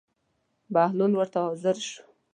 بهلول ورته حاضر شو.